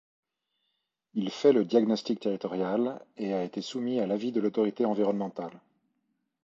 Il fait le diagnostic territorial et a été soumis à l'avis de l'autorité environnementale.